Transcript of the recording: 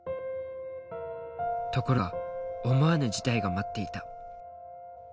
ところが思わぬ事態が待っていた。